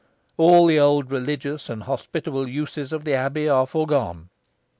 All the old religious and hospitable uses of the abbey are foregone.